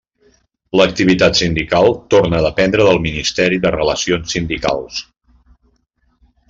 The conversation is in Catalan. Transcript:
L'activitat sindical torna a dependre del Ministeri de Relacions Sindicals.